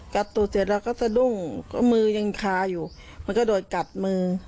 กัดตูดเสร็จแล้วก็สะดุ้งมือยังคาอยู่มันก็โดดกัดมือ